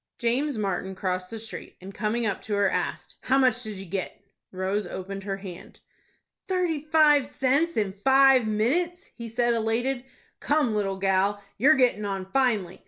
James Martin crossed the street, and, coming up to her, asked, "How much did you get?" Rose opened her hand. "Thirty five cents in five minutes," he said, elated. "Come, little gal, you're gettin' on finely.